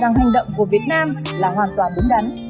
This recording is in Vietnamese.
và hành động của việt nam là hoàn toàn đúng đắn